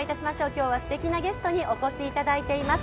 今日はすてきなゲストにお越しいただいています。